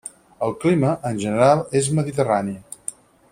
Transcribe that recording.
El clima, en general, és mediterrani.